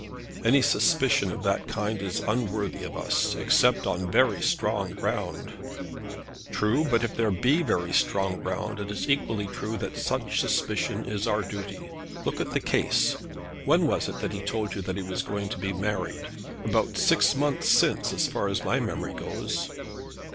"Any suspicion of that kind is unworthy of us; except on very strong ground." "True. But if there be very strong ground, it is equally true that such suspicion is our duty. Look at the case. When was it that he told you that he was going to be married? About six months since, as far as my memory goes."